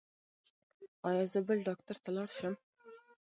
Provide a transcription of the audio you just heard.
ایا زه بل ډاکټر ته لاړ شم؟